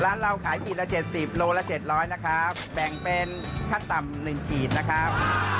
ร้านเราขายกินละเจ็ดสิบโลละเจ็ดร้อยนะครับแบ่งเป็นค่าต่ำหนึ่งกินนะครับ